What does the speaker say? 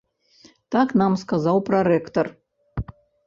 Так нам сказаў прарэктар.